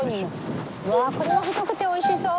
うわこれは太くておいしそう！